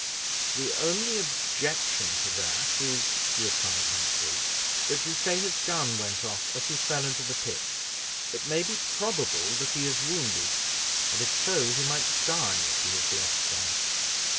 "The only objection to that is," replied Humphrey, "that you say his gun went off as he fell into the pit; it may be probable that he is wounded, and if so, he might die if he is left there."